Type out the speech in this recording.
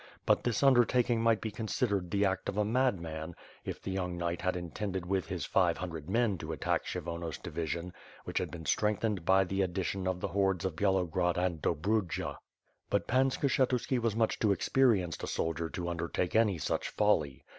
But this undertaking might be considered the act of a madman if the young knight had intended with his five hundred men to attack Kshyvonos' division which had been strengthened by the addition of the hordes of Byalo grod and Dobrudja. But Pan Skshetuski was much too experienced a soldier to undertake any such folly.